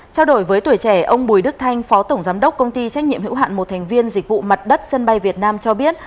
trao đổi với tuổi trẻ ông bùi đức thanh phó tổng giám đốc công ty trách nhiệm hữu hạn một thành viên dịch vụ mặt đất sân bay việt nam cho biết